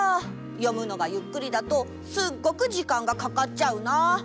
読むのがゆっくりだとすっごく時間がかかっちゃうな。